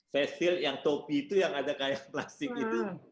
vestil yang topi itu yang ada kayak plastik itu